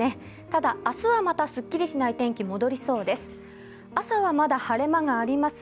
ただ、明日はまたすっきりしない天気、戻りそうです。